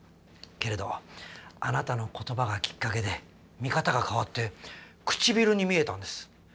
けれどあなたの言葉がきっかけで見方が変わってくちびるに見えたんです。